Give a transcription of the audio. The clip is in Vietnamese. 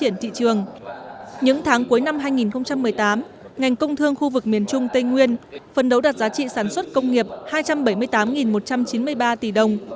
những tháng cuối năm hai nghìn một mươi tám ngành công thương khu vực miền trung tây nguyên phân đấu đạt giá trị sản xuất công nghiệp hai trăm bảy mươi tám một trăm chín mươi ba tỷ đồng